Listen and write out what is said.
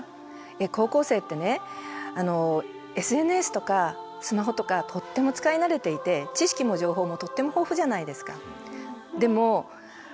高校生ってねＳＮＳとかスマホとかとっても使い慣れていて知識も情報もとっても豊富じゃないですか。